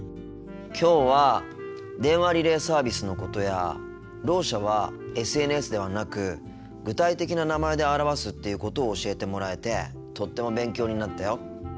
きょうは電話リレーサービスのことやろう者はＳＮＳではなく具体的な名前で表すっていうことを教えてもらえてとっても勉強になったよ。